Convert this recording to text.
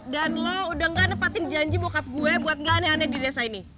dan lo udah gak nepatin janji bokap gue buat gak aneh aneh di desa ini